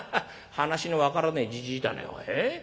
話の分からねえじじいだねおい。